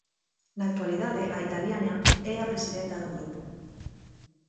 Na actualidade a italiana é a presidenta do grupo.